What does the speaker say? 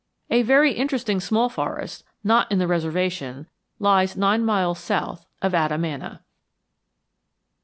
A very interesting small forest, not in the reservation, lies nine miles north of Adamana.